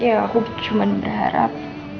ya aku cuma berharap